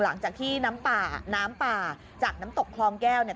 หลังจากที่น้ำป่าน้ำป่าจากน้ำตกคลองแก้วเนี่ย